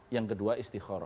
yang kedua istikhara